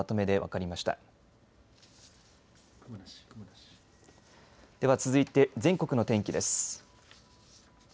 では続いて全国の天気です。